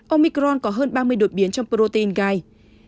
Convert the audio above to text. omicron có hơn ba mươi đột biến trong protein guide